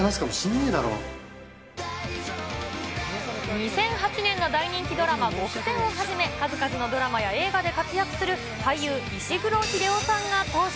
２００８年の大人気ドラマ、ごくせんをはじめ、数々のドラマや映画で活躍する俳優、石黒英雄さんが登場。